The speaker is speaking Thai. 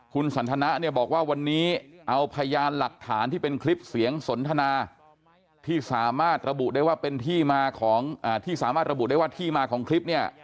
คุณสันทนะเนี่ยบอกว่าวันนี้เอาพยานหลักฐานที่เป็นคลิปเสียงสนทนาที่สามารถระบุได้ว่าเป็นที่มาของที่สามารถระบุได้ว่าที่มาของคลิปเนี่ย